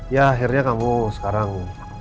ya akhirnya kamu sekarang